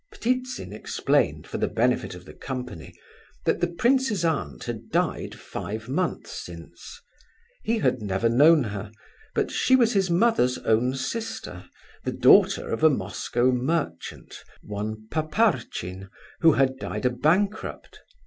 Ptitsin explained, for the benefit of the company, that the prince's aunt had died five months since. He had never known her, but she was his mother's own sister, the daughter of a Moscow merchant, one Paparchin, who had died a bankrupt.